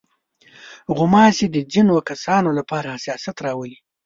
غوماشې د ځينو کسانو لپاره حساسیت راولي.